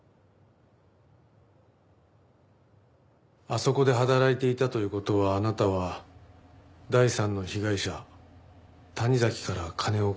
あそこで働いていたという事はあなたは第三の被害者谷崎から金を借りていた。